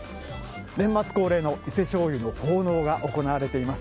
年末恒例の伊勢しょうゆの奉納が行われています。